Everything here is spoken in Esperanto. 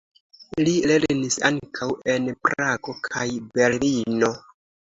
Li lernis ankaŭ en Prago kaj Berlino.